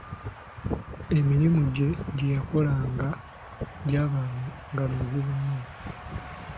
Emirimu gye gye yakolanga gyabanga mizibu nnyo.